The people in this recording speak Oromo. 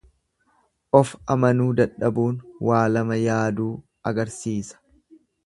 Of amanuu dadhabuun waa lama yaaduu agarsiisa.